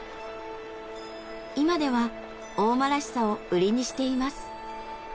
今では大間らしさを売りにしています。